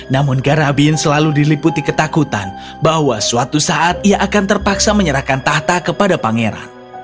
namun garabin selalu diliputi ketakutan bahwa suatu saat ia akan terpaksa menyerahkan tahta kepada pangeran